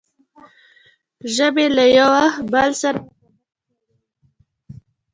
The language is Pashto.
ژبو له یوه بل سره رقابت کړی وي.